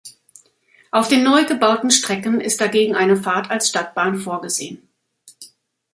Auf den neu gebauten Strecken ist dagegen eine Fahrt als Stadtbahn vorgesehen.